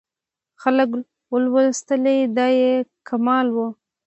خلکو ولوستلې دا یې کمال و.